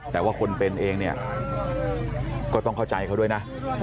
แต่ว่าคนเป็นเองเนี่ยก็ต้องเข้าใจเขาด้วยนะ